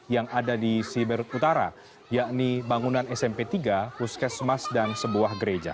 yang ada di siberut utara yakni bangunan smp tiga puskesmas dan sebuah gereja